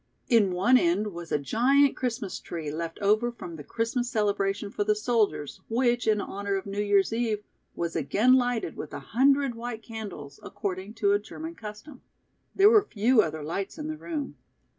In one end was a giant Christmas tree, left over from the Christmas celebration for the soldiers which in honor of New Year's eve was again lighted with a hundred white candles according to a German custom. There were few other lights in the room.